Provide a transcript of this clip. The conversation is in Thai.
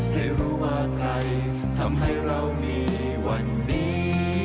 ให้รู้ว่าใครทำให้เรามีวันนี้